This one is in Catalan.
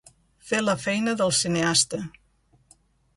Fer la feina del cineasta.